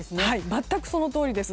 全くそのとおりです。